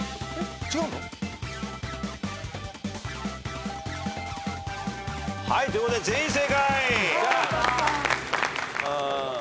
違うの？ということで全員正解。